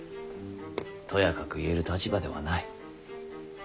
とやかく言える立場ではない。